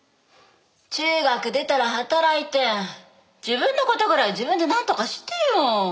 中学出たら働いて自分の事ぐらい自分でなんとかしてよ。